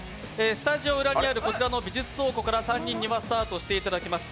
スタジオ裏にあるこちらの美術倉庫から３人にはスタートしていただきます